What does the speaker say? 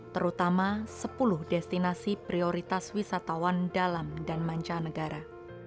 terutama sepuluh destinasi prioritas wisatawan dalam dan mancanegara